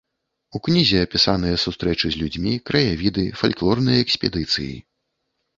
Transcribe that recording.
У кнізе апісаныя сустрэчы з людзьмі, краявіды, фальклорныя экспедыцыі.